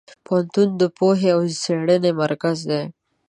پوهنتون د پوهې او څېړنې مرکز دی.